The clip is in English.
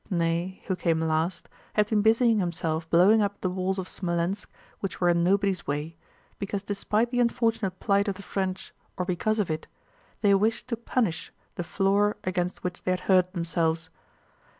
Ney, who came last, had been busying himself blowing up the walls of Smolénsk which were in nobody's way, because despite the unfortunate plight of the French or because of it, they wished to punish the floor against which they had hurt themselves.